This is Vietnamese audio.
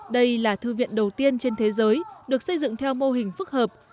đây là thư viện đầu tiên trên thế giới được xây dựng theo mô hình phức hợp